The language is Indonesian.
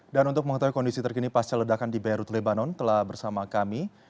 dan untuk mengatakan kondisi terkini pasca ledakan di beirut lebanon telah bersama kami